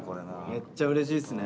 めっちゃうれしいっすね。